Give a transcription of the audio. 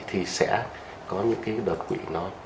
thì sẽ có những đột quỵ